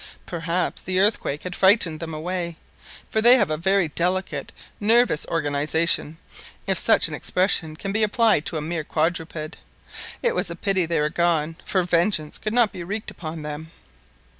Perhaps the earthquake had frightened them away, for they have a very delicate nervous organisation, if such an expression can be applied to a mere quadruped. It was a pity they were gone, for vengeance could not be wreaked upon them.